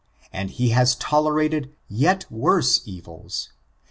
And he has tolerated yet worse evils.